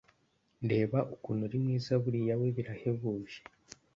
Reba ukuntu uri mwiza buriya we birahebuje